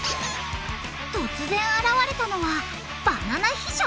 突然現れたのはバナナ秘書！？